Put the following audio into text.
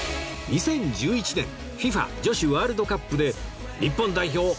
２０１１年 ＦＩＦＡ 女子ワールドカップで日本代表